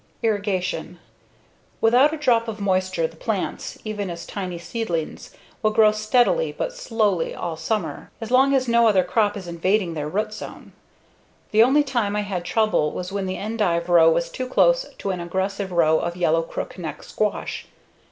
Irrigation: Without a drop of moisture the plants, even as tiny seedlings, will grow steadily but slowly all summer, as long as no other crop is invading their root zone. The only time I had trouble was when the endive row was too close to an aggressive row of yellow crookneck squash.